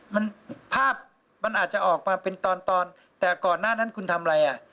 มันภาพมันอาจจะออกมาเป็นตอนตอนแต่ก่อนหน้านั้นคุณทำอะไรอ่ะ